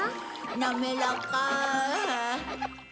なめらか。